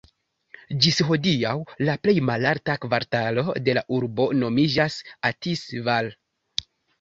Ĝis hodiaŭ, la plej malalta kvartalo de la urbo nomiĝas "Athis-Val".